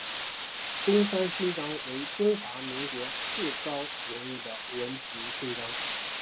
中山勋章为中华民国次高荣誉的文职勋章。